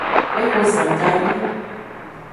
Exo zan ganyi.